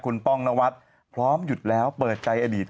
คุณป้องนวัดพร้อมหยุดแล้วเปิดใจอดีต